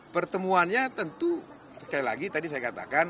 pertemuannya tentu sekali lagi tadi saya katakan